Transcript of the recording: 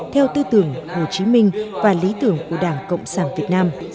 theo tư tưởng hồ chí minh và lý tưởng của đảng cộng sản việt nam